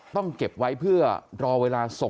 พ่อขออนุญาต